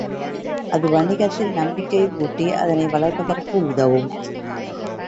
அது வாணிகத்தில் நம்பிக்கை ஊட்டி அதனை வளர்ப்பதற்கு உதவும்.